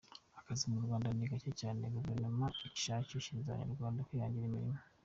Akazi mu Rwanda ni gake cyane, Guverinoma ishishikariza abanyarwanda kwihangira imirimo.